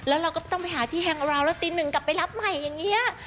แล้วเราก็ต้องไปหาที่แห่งเราแล้วตีหนึ่งกลับไปรับใหม่อย่างนี้